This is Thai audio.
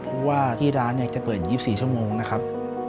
เพราะว่าที่ร้านจะเปิด๒๔ชั่วโมงนะครับ